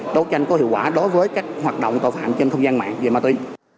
đấu tranh có hiệu quả đối với các hoạt động tội phạm trên không gian mạng về ma túy